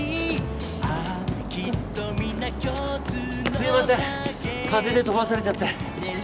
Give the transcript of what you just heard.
すいません風で飛ばされちゃって。